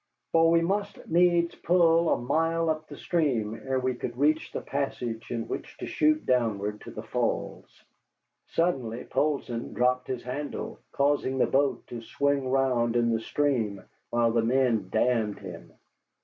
For we must needs pull a mile up the stream ere we could reach the passage in which to shoot downward to the Falls. Suddenly Poulsson dropped his handle, causing the boat to swing round in the stream, while the men damned him.